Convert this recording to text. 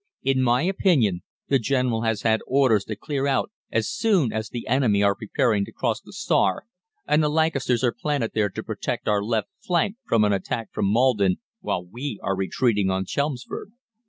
In my opinion, the General has had orders to clear out as soon as the enemy are preparing to cross the Stour, and the Lancasters are planted there to protect our left flank from an attack from Maldon while we are retreating on Chelmsford.'